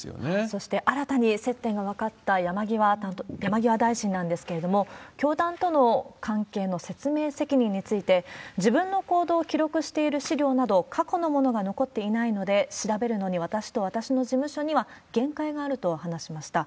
そして新たに接点が分かった山際大臣なんですけれども、教団との関係の説明責任について、自分の行動を記録している資料など、過去のものが残っていないので、調べるのに、私と私の事務所には限界があると話しました。